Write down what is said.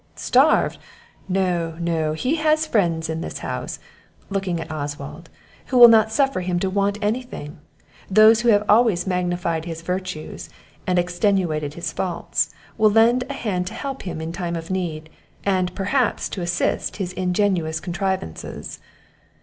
"Starved! no, no! he has friends in this house (looking at Oswald), who will not suffer him to want anything; those who have always magnified his virtues, and extenuated his faults, will lend a hand to help him in time of need; and, perhaps, to assist his ingenious contrivances."